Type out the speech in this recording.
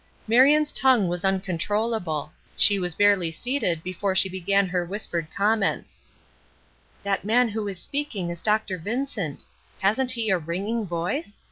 Marion's tongue was uncontrollable. She was barely seated before she began her whispered comments: "That man who is speaking is Dr. Vincent. Hasn't he a ringing voice?